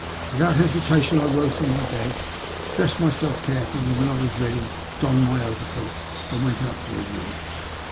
Without hesita tion I rose from my bed, dressed myself carefully, and when I was ready, donned my overcoat and went out tor a walk.